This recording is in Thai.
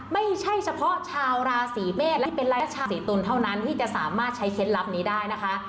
ไม่ใช่เฉพาะชาวราศีเมษและเป็นราศีตุลเท่านั้นที่จะสามารถใช้เคล็ดลับนี้ได้นะคะ